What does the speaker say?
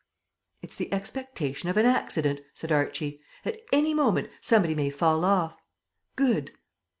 "It's the expectation of an accident," said Archie. "At any moment somebody may fall off. Good."